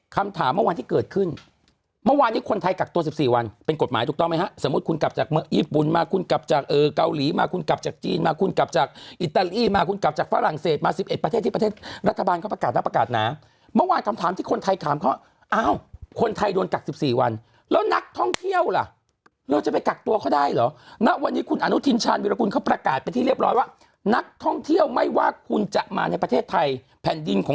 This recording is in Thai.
คำถามเมื่อวานที่เกิดขึ้นเมื่อวานที่คนไทยกักตัว๑๔วันเป็นกฎหมายถูกต้องไหมฮะสมมุติคุณกลับจากเมืองญี่ปุ่นมาคุณกลับจากเกาหลีมาคุณกลับจากจีนมาคุณกลับจากอิตาลีมาคุณกลับจากฝรั่งเศสมา๑๑ประเทศที่ประเทศรัฐบาลเขาประกาศน้าประกาศน้าเมื่อวานคำถามที่คนไทยถามเขาอ้าวคนไทยโ